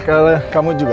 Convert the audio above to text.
kalau kamu juga